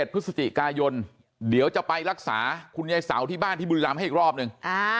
พฤศจิกายนเดี๋ยวจะไปรักษาคุณยายเสาที่บ้านที่บุรีรำให้อีกรอบนึง